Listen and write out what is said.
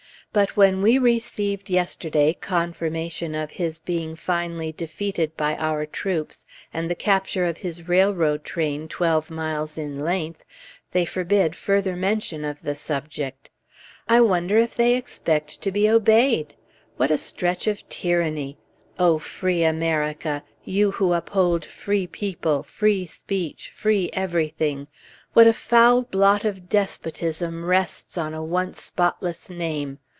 But when we received yesterday confirmation of his being finally defeated by our troops, and the capture of his railroad train twelve miles in length, they forbid further mention of the subject. I wonder if they expect to be obeyed? What a stretch of tyranny! O free America! You who uphold free people, free speech, free everything, what a foul blot of despotism rests on a once spotless name!